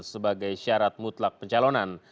sebagai syarat mutlak pencalonan